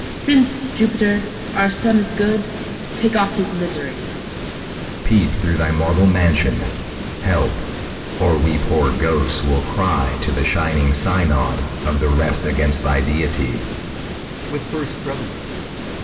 MOTHER. Since, Jupiter, our son is good, Take off his miseries. SICILIUS. Peep through thy marble mansion. Help! Or we poor ghosts will cry To th' shining synod of the rest Against thy deity.